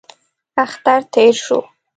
اختر تېر شو.